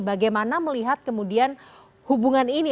bagaimana melihat kemudian hubungan ini